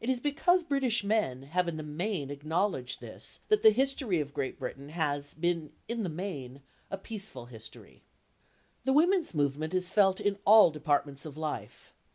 It is because British men have in the main acknowledged this, that the history of Great Britain has been in the main a peaceful history. The women's movement is felt in all departments of life.